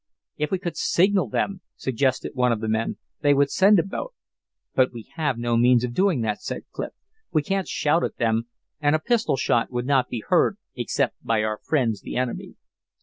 "If we could signal them," suggested one of the men, "they would send a boat." "But we have no means of doing that," said Clif. "We can't shout at them, and a pistol shot would not be heard, except by our friends the enemy."